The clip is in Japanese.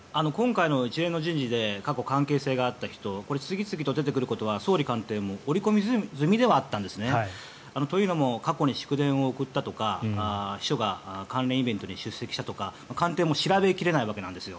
一連の人事で過去に関係があった人次々と出てくることは総理官邸も織り込み済みではあったんですね。というのも過去に祝電を送ったとか秘書が関連イベントに出席したとか官邸も調べ切れないわけなんです。